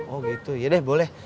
oh gitu ya deh boleh